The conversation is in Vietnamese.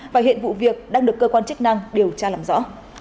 và hiện vụ việc đang được cơ quan chức năng điều tra làm rõ